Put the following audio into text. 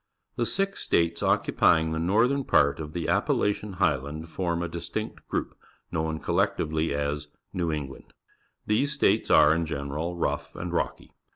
The six states occupying the northern part of the Appalachian Highland forma di.stinct group, known collectively as A'eiv England. These states are, in general, rough and rock}'.